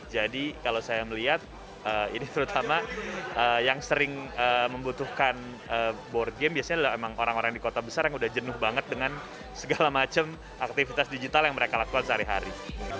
jadi kalau saya melihat ini terutama yang sering membutuhkan board game biasanya memang orang orang di kota besar yang udah jenuh banget dengan segala macam aktivitas digital yang mereka lakukan sehari hari